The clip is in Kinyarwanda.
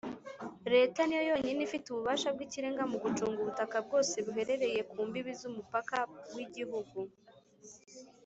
Leta ni yo yonyine ifite ububasha bw’ikirenga mu gucunga ubutaka bwose buherereye mu mbibi z’umupaka w’Igihugu